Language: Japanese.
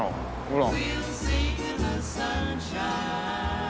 ほら。